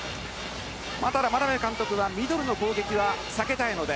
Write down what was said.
ただ眞鍋監督はミドルの攻撃は避けたいので